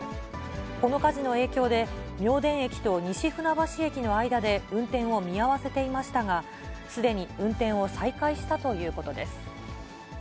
この火事の影響で、妙典駅と西船橋駅の間で運転を見合わせていましたが、すでに運転を再開したということです。